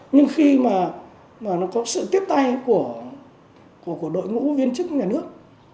nhưng khi mà nó có sự tiếp tay của đội ngũ viên chức nhà nước